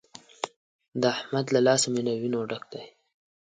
د احمد له لاسه مې له وينو ډک دی.